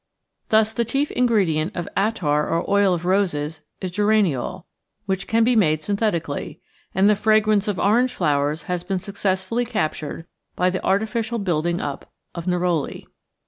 Thus the chief ingredient of attar or oil of roses is geraniol, which can be made synthetically, and the fragrance of orange flowers has been successfully captured by the artificial building up of neroli.